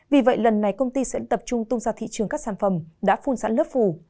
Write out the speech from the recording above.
vì vậy lần này công ty sẽ tập trung tung ra thị trường các sản phẩm đã phun sẵn lớp phủ